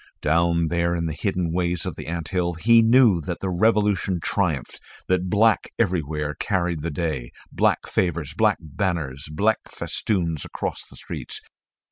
Down there in the hidden ways of the anthill he knew that the revolution triumphed, that black everywhere carried the day, black favours, black banners, black festoons across the streets.